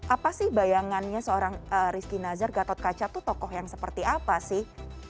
apa sih bayangannya seorang rizky nazar gatot kaca itu tokoh yang seperti apa sih